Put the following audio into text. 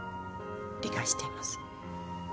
理解しています。